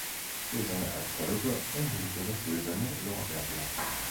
Für seine Erfolge erhielt er das Silberne Lorbeerblatt.